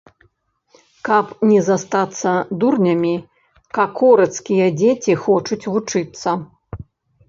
Каб не застацца дурнямі, какорыцкія дзеці хочуць вучыцца.